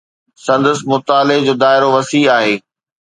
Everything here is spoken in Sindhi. سندس مطالعي جو دائرو وسيع آهي.